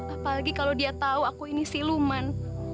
apalagi kalau dia tahu aku ini siluman